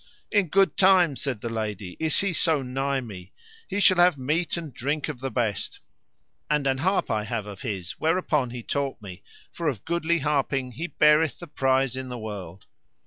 In good time, said the lady, is he so nigh me; he shall have meat and drink of the best; and an harp I have of his whereupon he taught me, for of goodly harping he beareth the prize in the world.